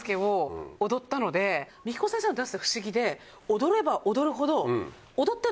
踊れば踊るほど。